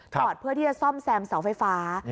อดเพื่อที่จะซ่อมแซมเสาไฟฟ้า